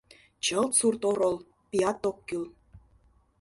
Чылт сурт орол, пият ок кӱл.